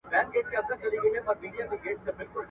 ځینې شرکتونه وايي، څېړنه افراط شوې ده.